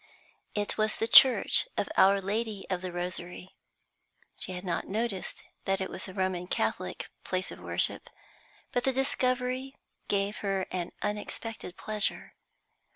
It was the church of Our Lady of the Rosary. She had not noticed that it was a Roman Catholic place of worship, but the discovery gave her an unexpected pleasure.